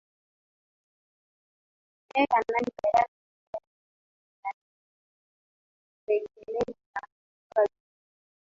ee kanali gaddafi bali inatetekeleza tu azimio